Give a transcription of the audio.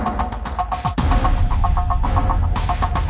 aku mau ke rumah